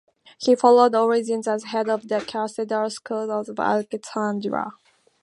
He followed Origen as head of the Catechetical School of Alexandria.